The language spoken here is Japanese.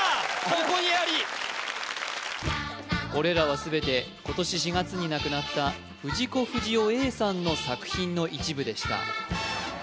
ここにありこれらは全て今年４月に亡くなった藤子不二雄さんの作品の一部でした